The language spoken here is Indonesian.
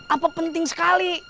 apa penting sekali